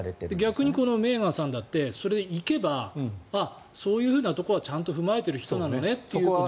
逆にメーガンさんだってそれ、行けばそういうふうなところはちゃんと踏まえている人なのねということで。